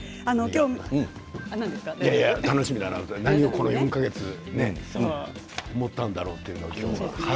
楽しみだなと何をこの４か月思ったんだろうと。